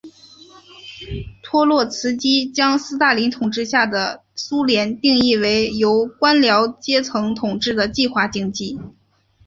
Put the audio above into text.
托洛茨基将斯大林统治下的苏联定义为由官僚阶层统治的计划经济。